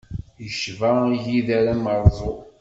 Yecba igider amerẓu.